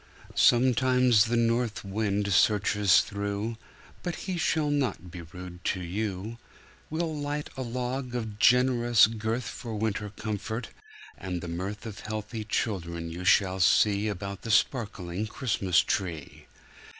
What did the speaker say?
Sometimes the north wind searches through, But he shall not be rude to you. We'll light a log of generous girth For winter comfort, and the mirth Of healthy children you shall see About a sparkling Christmas tree.